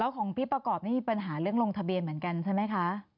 ของพี่ประกอบนี่มีปัญหาเรื่องลงทะเบียนเหมือนกันใช่ไหมคะ